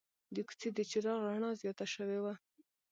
د کوڅې د چراغ رڼا زیاته شوې وه.